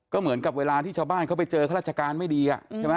ก็เหมือนกับเวลาที่ชาวบ้านเขาไปเจอข้าราชการไม่ดีใช่ไหม